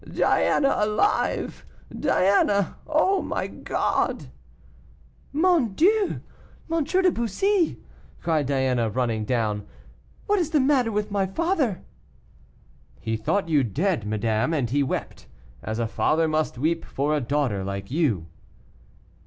"Diana alive! Diana, oh, my God!" "Mon Dieu! M. de Bussy!" cried Diana, running down, "what is the matter with my father?" "He thought you dead, madame, and he wept, as a father must weep for a daughter like you."